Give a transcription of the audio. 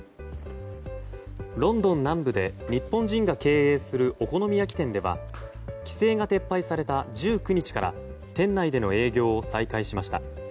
ロンドン南部で日本人が経営するお好み焼き店では規制が撤廃された１９日から店内での営業を再開しました。